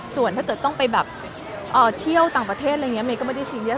ส่วนถ้าเกิดต้องไปแบบเที่ยวต่างประเทศอะไรอย่างนี้เมย์ก็ไม่ได้ซีเรียส